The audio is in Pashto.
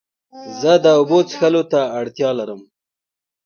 زه د اوبو څښلو ته اړتیا لرم.